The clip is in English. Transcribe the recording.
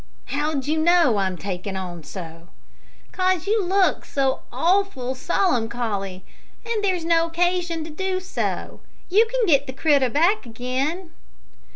"How d'you know I'm taking on so?" "'Cause you look so awful solemncholy. An' there's no occasion to do so. You can get the critter back again."